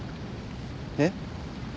えっ？